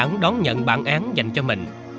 một vấn đề